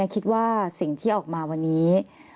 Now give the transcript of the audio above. คิดว่าสิ่งที่ออกมาวันนี้